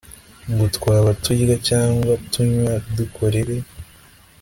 ngo twaba turya cyangwa tunywa dukorere